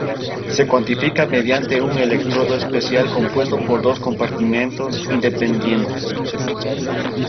Se cuantifica mediante un electrodo especial compuesto por dos compartimientos independientes.